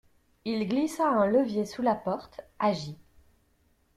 Il glissa un levier sous la porte, agit.